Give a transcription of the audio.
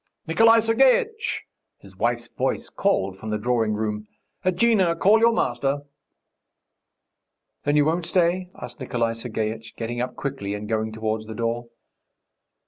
"Nikolay Sergeitch!" his wife's voice called from the drawing room. "Agnia, call your master!" "Then you won't stay?" asked Nikolay Sergeitch, getting up quickly and going towards the door.